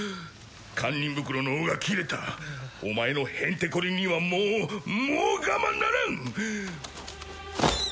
堪忍袋の緒が切れたお前のへんてこりんにはもうもう我慢ならん！